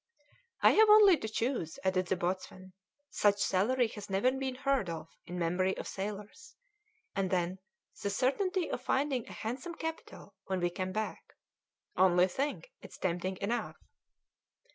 "I have only to choose," added the boatswain; "such salary has never been heard of in the memory of sailors, and then the certainty of finding a handsome capital when we come back. Only think: it's tempting enough."